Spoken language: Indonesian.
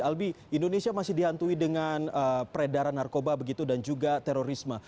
albi indonesia masih dihantui dengan peredaran narkoba begitu dan juga terorisme